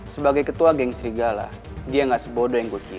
nanti gue akan kasih ini yang lebih baik untuk kamu